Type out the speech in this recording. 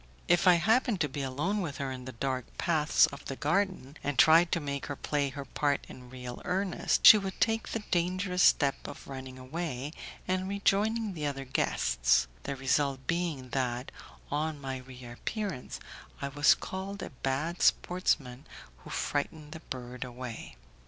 If I happened to be alone with her in the dark paths of the garden, and tried to make her play her part in real earnest, she would take the dangerous step of running away, and rejoining the other guests; the result being that, on my reappearance, I was called a bad sportsman who frightened the bird away.